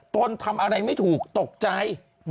ตนทำอะไรไม่ถูกตกใจ